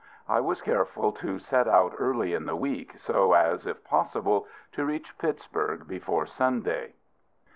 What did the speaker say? I was careful to set out early in the week, so as, if possible, to reach Pittsburg before Sunday.